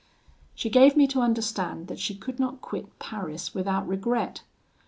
She gave me to understand that she could not quit Paris without regret.